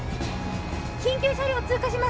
緊急車両通過します。